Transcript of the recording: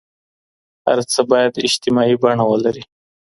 هر څه بايد اجتماعي بڼه ولري.